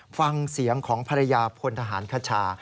ฟังเสียงของภรรยาพลทหารคชา